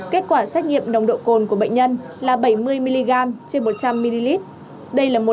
kết quả xét nghiệm nồng độ cồn của bệnh nhân là bảy mươi mg trên một trăm linh ml